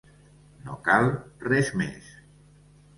No cal, res més.